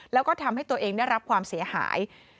แล้วก็ทำให้ตัวเองได้รับความเสียหาย